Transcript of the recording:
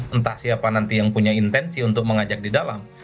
entah siapa nanti yang punya intensi untuk mengajak di dalam